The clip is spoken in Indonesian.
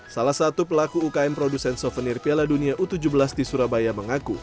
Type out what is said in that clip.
salah satu pelaku ukm produsen souvenir piala dunia u tujuh belas di surabaya mengaku